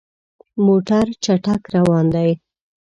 موټر چټک روان دی.